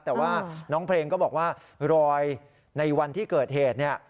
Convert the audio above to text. แต่ว่าน้องเพลงก็บอกว่ารอยในวันที่เกิดเหตุเนี่ย